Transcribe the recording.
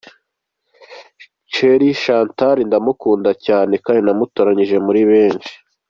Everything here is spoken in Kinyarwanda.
Cher Chantal ndamukunda cyane kandi namutoranyije muri benshi.